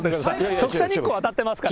直射日光当たってますから。